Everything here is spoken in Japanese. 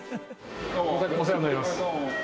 お世話になります。